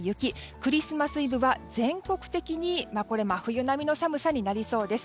クリスマスイブは全国的に真冬並みの寒さになりそうです。